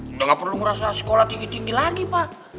udah gak perlu merasa sekolah tinggi tinggi lagi pak